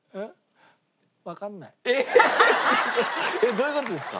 どういう事ですか？